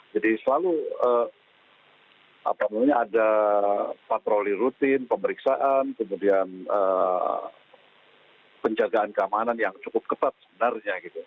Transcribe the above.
jadi selalu ada patroli rutin pemeriksaan kemudian penjagaan keamanan yang cukup ketat sebenarnya